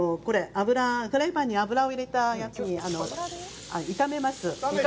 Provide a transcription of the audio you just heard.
フライパンに油入れたやつで炒めます。